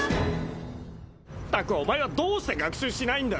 ったくお前はどうして学習しないんだ！